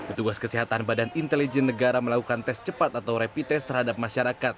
petugas kesehatan badan intelijen negara melakukan tes cepat atau rapid test terhadap masyarakat